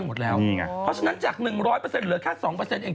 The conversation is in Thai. นุ้มโดนกอลลาปาก